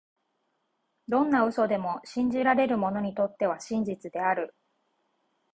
どんな嘘でも、信じられる者にとっては真実である。